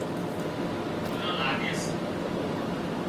ٻوران لاڳي سي